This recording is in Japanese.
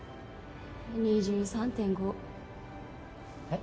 ２３．５えっ？